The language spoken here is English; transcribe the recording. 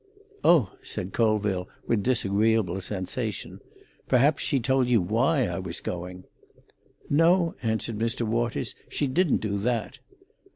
"Oh," said Colville, with disagreeable sensation, "perhaps she told you why I was going." "No," answered Mr. Waters; "she didn't do that."